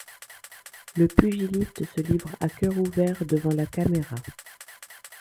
Le pugiliste se livre à cœur ouvert devant la caméra.